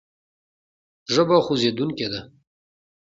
ژبه خوځېدونکې ده.